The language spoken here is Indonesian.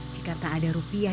jika tak ada rupiah